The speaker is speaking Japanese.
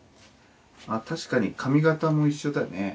あ確かに髪形も一緒だね。